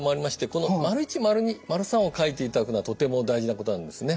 この①②③を書いていただくのはとても大事なことなんですね。